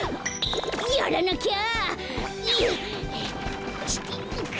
やらなきゃ！